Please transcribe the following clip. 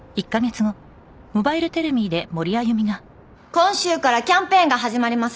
今週からキャンペーンが始まります